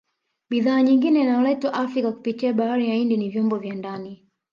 Bidhaa nyingine inayoletwa Afrika kupitia bahari ya Hindi ni vyombo vya ndani